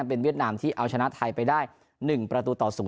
เป็นเวียดนามที่เอาชนะไทยไปได้๑ประตูต่อ๐